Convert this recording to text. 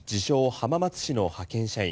・浜松市の派遣社員